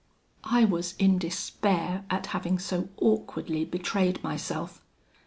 "I was in despair at having so awkwardly betrayed myself.